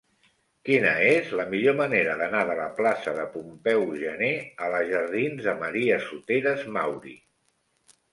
Quina és la millor manera d'anar de la plaça de Pompeu Gener a la jardins de Maria Soteras Mauri?